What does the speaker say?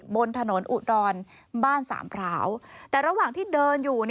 บนถนนอุดรบ้านสามพร้าวแต่ระหว่างที่เดินอยู่